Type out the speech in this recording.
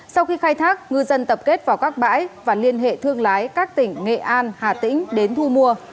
sau khi khai thác ngư dân tập kết vào các bãi và liên hệ thương lái các tỉnh nghệ an hà tĩnh đến thu mua